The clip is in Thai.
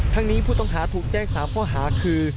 นี้ผู้ต้องหาถูกแจ้ง๓ข้อหาคือ